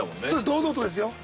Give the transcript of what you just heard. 堂々とですよ。